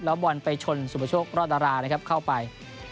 แล้วบอลไปชนสมุสาครรอดรานะครับเข้าไป